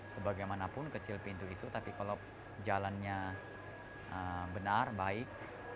sebagaimanapun kecil pintu itu tapi kalau jalannya benar baik